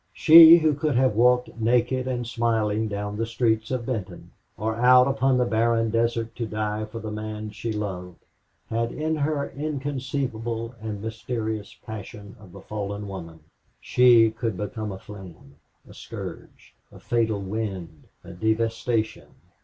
She who could have walked naked and smiling down the streets of Benton or out upon the barren desert to die for the man she loved had in her the inconceivable and mysterious passion of the fallen woman; she could become a flame, a scourge, a fatal wind, a devastation.